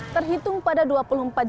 tindikan kemana pun kota mati